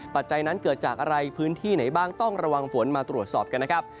ปัจจัยนั้นเกิดจากอะไรพื้นที่ไหนบ้างต้องระวังฝนมาตรวจสอบกันนะครับ